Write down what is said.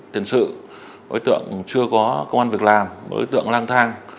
tiền sự đối tượng chưa có công an việc làm đối tượng lang thang